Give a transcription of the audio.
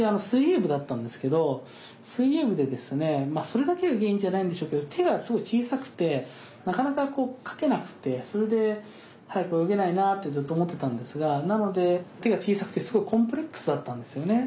それだけが原因じゃないんでしょうけど手がすごい小さくてなかなかかけなくてそれで速く泳げないなってずっと思ってたんですがなので手が小さくてすごくコンプレックスだったんですよね。